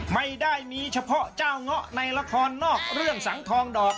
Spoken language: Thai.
ไม่ได้มีเฉพาะเจ้าเงาะในละครนอกเรื่องสังทองดอก